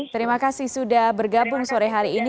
terima kasih sudah bergabung sore hari ini